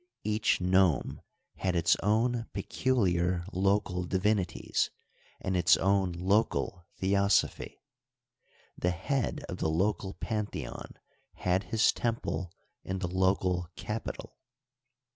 Each nome had its own peculiar local divinities and its own local theosophy. The head of the local pantheon had his temple in the local capital.